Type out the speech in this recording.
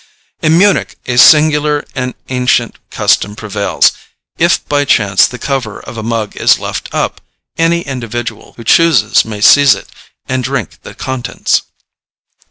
In Munich a singular and ancient custom prevails. If by chance the cover of a mug is left up, any individual who chooses may seize it, and drink the contents.